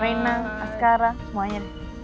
reina askara semuanya